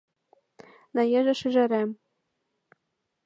— Наежа шӱжарем!